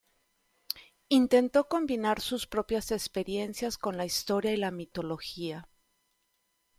Intentó combinar sus propias experiencias con la historia y la mitología.